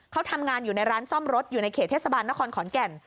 เขาทำงานอยู่ในร้านซ่อมรถอยู่ในเขตเทศบาลนครขอนแก่น